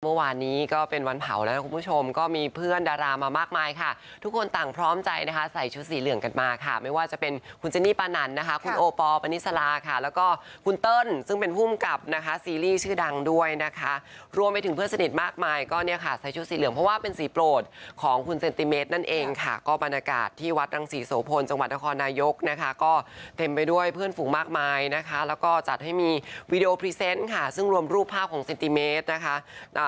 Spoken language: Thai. เมื่อวานนี้ก็เป็นวันเผาแล้วคุณผู้ชมก็มีเพื่อนดารามามากมายค่ะทุกคนต่างพร้อมใจนะคะใส่ชุดสีเหลืองกันมาค่ะไม่ว่าจะเป็นคุณเจนี่ปานันนะคะคุณโอปอล์ปานิสลาค่ะแล้วก็คุณเติ้ลซึ่งเป็นภูมิกับนะคะซีรีส์ชื่อดังด้วยนะคะรวมไปถึงเพื่อนสนิทมากมายก็เนี่ยค่ะใส่ชุดสีเหลืองเพราะว่าเป็นสีโปรดของคุ